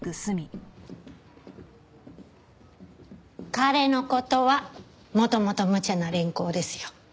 彼の事は元々むちゃな連行ですよ。